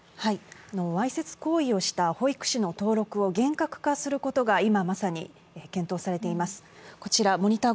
わいせつ行為をした保育士の登録を厳格化することを今、まさに検討されています。